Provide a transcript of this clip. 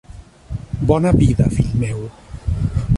Bona vida, fill meu.